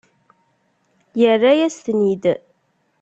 Yerra-yas-ten-id.